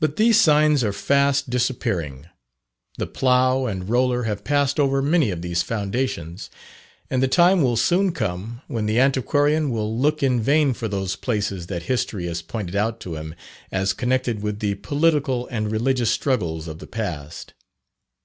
But these signs are fast disappearing. The plough and roller have passed over many of these foundations, and the time will soon come, when the antiquarian will look in vain for those places that history has pointed out to him, as connected with the political and religious struggles of the past.